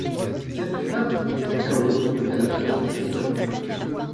Cette pâte de cacao est à la base du chocolat.